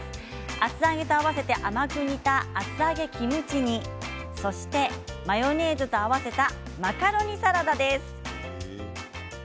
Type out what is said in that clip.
厚揚げと合わせた甘く煮た厚揚げキムチ煮マヨネーズと合わせたマカロニサラダです。